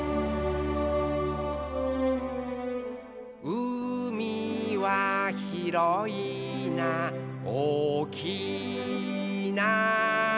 「うみはひろいなおおきいな」